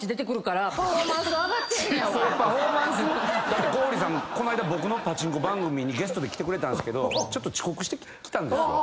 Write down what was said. だって小堀さんこの間僕のパチンコ番組にゲストで来てくれたんですけどちょっと遅刻してきたんですよ。